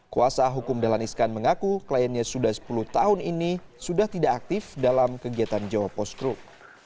kuasa hukum dalan iskan mengaku kliennya sudah sepuluh tahun ini sudah tidak aktif dalam kegiatan jawa post group